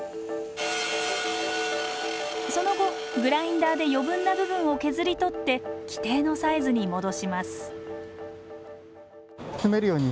その後グラインダーで余分な部分を削り取って規定のサイズに戻します詰めるように。